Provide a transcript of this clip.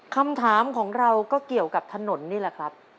คำถามของเราก็เกี่ยวกับถนนนี่แหละครับ